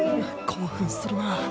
興奮するなぁ。